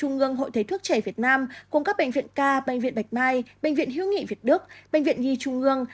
trung ương hội thấy thuốc trẻ việt nam cung cấp bệnh viện k bệnh viện bạch mai bệnh viện hiếu nghị việt đức bệnh viện nhi trung ương